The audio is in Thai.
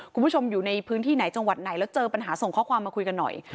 คุณผู้ชมอยู่ในพื้นที่ไหนจังหวัดไหนแล้วเจอปัญหาส่งข้อความมาคุยกันหน่อย